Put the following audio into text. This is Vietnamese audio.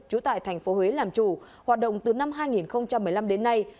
trú tại tp hcm làm chủ hoạt động từ năm hai nghìn một mươi năm đến nay